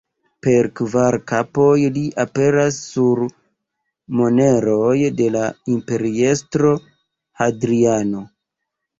Per kvar kapoj li aperas sur moneroj de la imperiestro Hadriano.